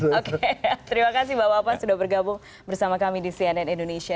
oke terima kasih bapak bapak sudah bergabung bersama kami di cnn indonesia